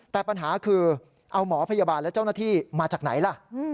แต่ปัญหาคือเอาหมอพยาบาลและเจ้าหน้าที่มาจากไหนล่ะ